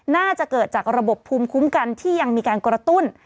น่าจะเกิดจากระบบภูมิคุ้มกันที่ยังมีการกระตุ้น